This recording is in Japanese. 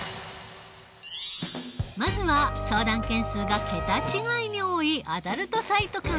まずは相談件数が桁違いに多いアダルトサイト関連。